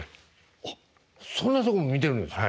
あっそんなとこも見てるんですか？